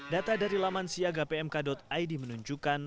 data dari laman siagapmk id menunjukkan